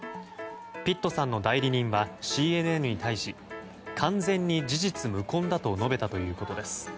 ピットさんの代理人はＣＮＮに対し完全に事実無根だと述べたということです。